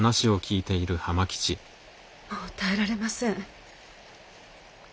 もう耐えられません。